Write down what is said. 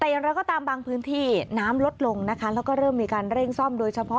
ยังละก็ตามบางพื้นที่น้ำลดลงนะคะเริ่มมีการเร่งซ่อม